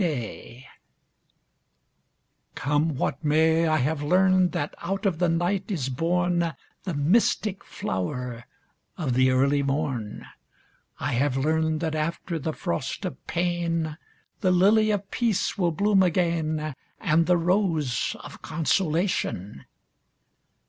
COME WHAT MAY 46 1 Come what may, I have learned that out of the night is born The mystic flower of the early morn ; I have learned that after the frost of pain The lily of peace will bloom again, And the rose of consolation.